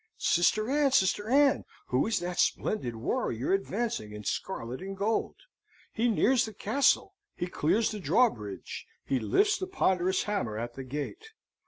Sister Ann, Sister Ann, who is that splendid warrior advancing in scarlet and gold? He nears the castle, he clears the drawbridge, he lifts the ponderous hammer at the gate.